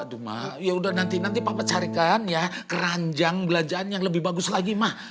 aduh ma yaudah nanti nanti papa carikan ya keranjang belanjaan yang lebih bagus lagi ma